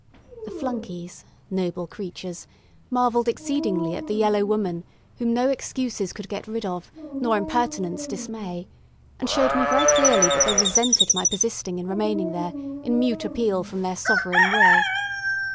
The flunkeys, noble creatures! marvelled exceedingly at the yellow woman whom no excuses could get rid of, nor impertinence dismay, and showed me very clearly that they resented my persisting in remaining there in mute appeal from their sovereign will.